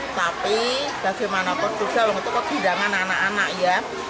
tapi bagaimana keguguran untuk kehidupan anak anak ya